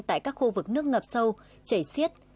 tại các khu vực nước ngập sâu chảy xiết